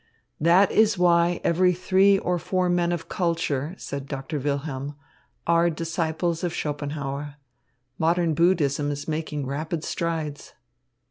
"That is why every three or four men of culture," said Doctor Wilhelm, "are disciples of Schopenhauer. Modern Buddhism is making rapid strides."